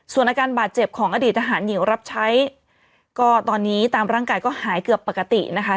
ส่วนอาการบาดเจ็บของอดีตทหารหญิงรับใช้ก็ตอนนี้ตามร่างกายก็หายเกือบปกตินะคะ